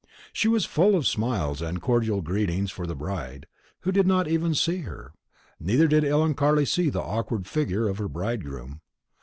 She was full of smiles and cordial greetings for the bride, who did not even see her. Neither did Ellen Carley see the awkward figure of her bridegroom.